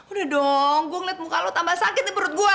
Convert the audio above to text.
udah dong gue liat muka lo tambah sakit nih perut gue